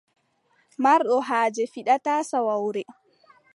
Marɗo haaje fiɗɗata saawawre.